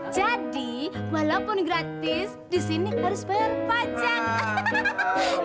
jadi walaupun gratis disini harus bayar pajak